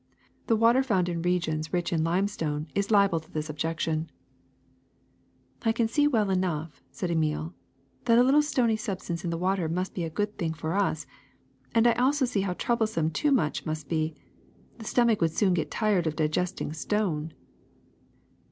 The water found in regions rich in limestone is liable to this objection." I can see well enough,'^ said Emile, "that a little stony substance in the water must be a good thing for us, and I also see how troublesome too much must be. The stomach would soon get tired of digesting stone.